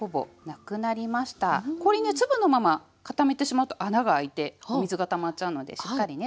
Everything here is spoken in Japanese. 氷ね粒のまま固めてしまうと穴が開いてお水がたまっちゃうのでしっかりね